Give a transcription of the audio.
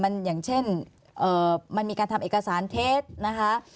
มันอย่างเช่นมันมีการทำเอกสารเท็จนะคะ